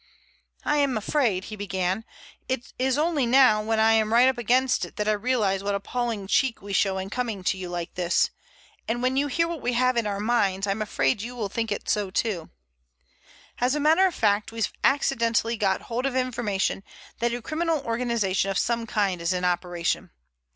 "I'm afraid," he began, "it's only now when I am right up against it that I realize what appalling cheek we show in coming to you like this, and when you hear what we have in our minds, I'm afraid you will think so too. As a matter of fact, we've accidentally got hold of information that a criminal organization of some kind is in operation.